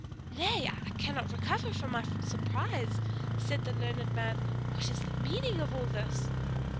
"Nay; I cannot recover from my surprise!" said the learned man. "What is the meaning of all this?"